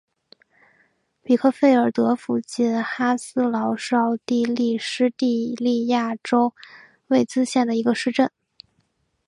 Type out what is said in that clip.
比克费尔德附近哈斯劳是奥地利施蒂利亚州魏茨县的一个市镇。